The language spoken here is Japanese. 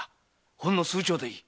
ほんの数丁でいい。